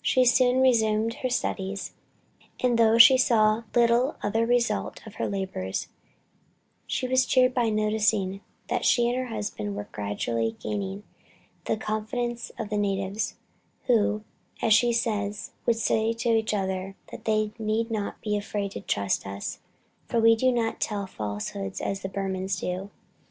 She soon resumed her studies, and though she saw little other result of her labors, was cheered by noticing that she and her husband were gradually gaining the confidence of the natives, who, as she says, would say to each other "that they need not be afraid to trust us, for we do not tell falsehoods as the Burmans do."